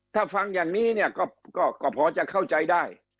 ถ้าฟังอย่างนี้เนี่ยก็พอจะเข้าใจได้